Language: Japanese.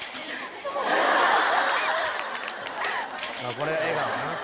これ笑顔やな。